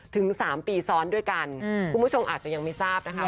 ถึง๓ปีซ้อนด้วยกันคุณผู้ชมอาจจะยังไม่ทราบนะคะ